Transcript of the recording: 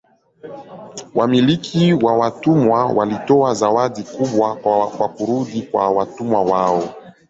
Wamiliki wa watumwa walitoa zawadi kubwa kwa kurudi kwa watumwa wao.